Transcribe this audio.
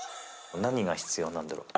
何が必要なんだろう。